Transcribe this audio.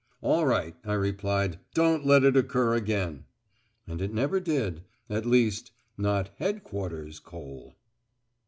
"All right," I replied. "Don't let it occur again." And it never did at least, not headquarters coal.